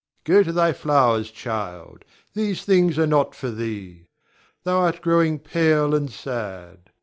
Go to thy flowers, child. These things are not for thee, thou art growing pale and sad.